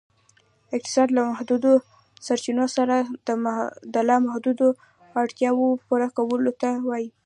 اقتصاد ، له محدودو سرچینو څخه د لا محدودو اړتیاوو پوره کولو ته وایي.